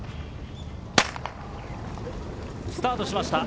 スタートしました。